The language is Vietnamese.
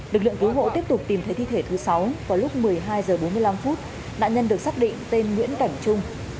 lực lượng cứu hộ tiếp tục tìm thấy thi thể thứ sáu vào lúc một mươi hai h bốn mươi năm nạn nhân được xác định tên nguyễn cảnh trung